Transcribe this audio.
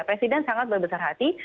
presiden sangat berbesar hati